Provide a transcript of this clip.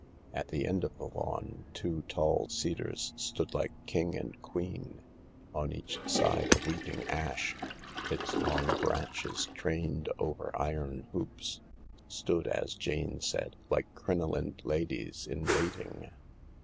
At the end of the lawn two tall cedars stood like king and queen. On each side a weeping ash, its long branches trained over iron hoops, stood, as Jane said, like crinolined ladies m waiting.